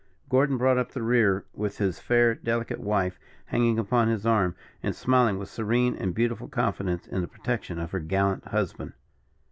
Gordon brought up the rear, with his fair, delicate wife hanging upon his arm, and smiling with serene and beautiful confidence in the protection of her gallant husband.